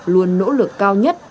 luôn nỗ lực cao nhất